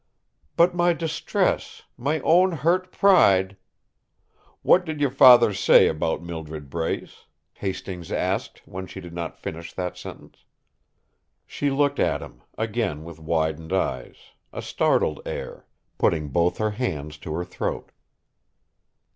"But my distress, my own hurt pride " "What did your father say about Mildred Brace?" Hastings asked, when she did not finish that sentence. She looked at him, again with widened eyes, a startled air, putting both her hands to her throat.